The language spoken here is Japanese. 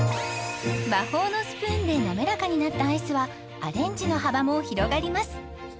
魔法のスプーンでなめらかになったアイスはアレンジの幅も広がります